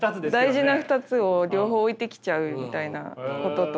大事な２つを両方置いてきちゃうみたいなこととか。